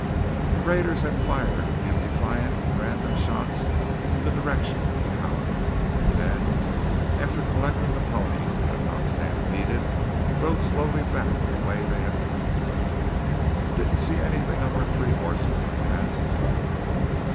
The raiders had fired a few defiant and random shots in the direction of the howling, and then, after collecting the ponies that had not stampeded, rode slowly back the way they had come. "Didn't see anything of our three horses?" I asked.